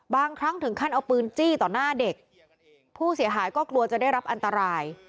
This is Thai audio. บางครั้งถึงขั้นเอาปืนจี้ต่อหน้าเด็กผู้เสียหายก็กลัวจะได้รับอันตราย